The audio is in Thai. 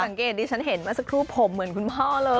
สังเกตดิฉันเห็นมาสักรูปผมเหมือนคุณพ่อเลย